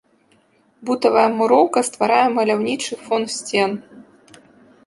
Бутавая муроўка стварае маляўнічы фон сцен.